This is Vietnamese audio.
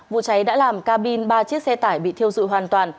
vụ cháy đã làm ca bin ba chiếc xe tải bị thiêu dụi hoàn toàn